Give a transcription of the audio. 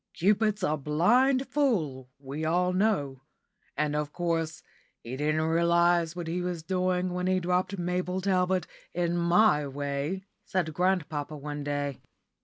"Cupid's a blind fool, we all know, and, of course, he didn't realise what he was doing when he dropped Mabel Talbot in my way," said grandpapa one day.